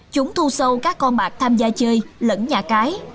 chúng thu sâu các con bạc tham gia chơi lẫn nhà cái